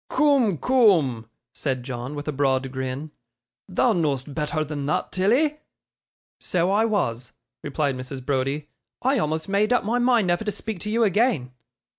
'Coom, coom,' said John, with a broad grin; 'thou know'st betther than thot, Tilly.' 'So I was,' replied Mrs. Browdie. 'I almost made up my mind never to speak to you again.